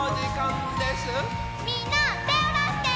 みんなてをだして！